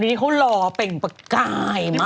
แล้วดีเขาหล่อเป็นประกายมาก